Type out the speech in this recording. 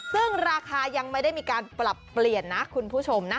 ซึ่งราคายังไม่ได้มีการปรับเปลี่ยนนะคุณผู้ชมนะ